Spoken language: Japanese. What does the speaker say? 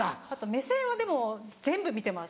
目線はでも全部見てます